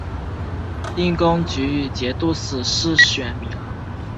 因功给予节度使世选名额。